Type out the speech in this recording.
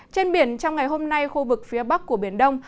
trên biển trong ngày hôm nay khu vực phía bắc của biển đông